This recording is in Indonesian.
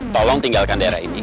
tolong tinggalkan daerah ini